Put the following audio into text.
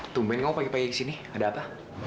tumpen kamu pagi pagi ke sini ada apa